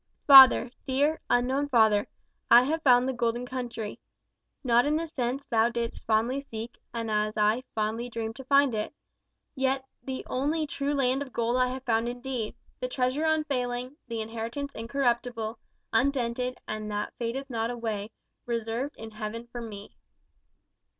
Father, dear, unknown father, I have round the golden country. Not in the sense thou didst fondly seek, and I as fondly dream to find it. Yet the only true land of gold I have found indeed the treasure unfailing, the inheritance incorruptible, undented and that fadeth not away, reserved in heaven for me."